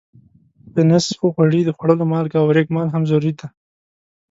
پنس، غوړي، د خوړلو مالګه او ریګ مال هم ضروري دي.